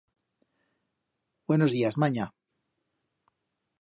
Buenos días, manya.